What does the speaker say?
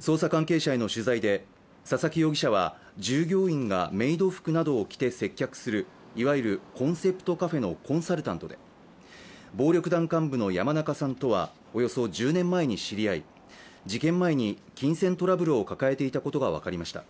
捜査関係者への取材で佐々木容疑者は従業員がメイド服などを着て接客するいわゆるコンセプトカフェのコンサルタントで暴力団幹部の山中さんとはおよそ１０年前に知り合い、事件前に金銭トラブルを抱えていたことが分かりました。